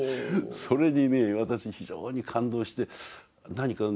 それにね私非常に感動して何かね